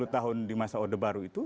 tiga puluh tahun di masa odeh baru itu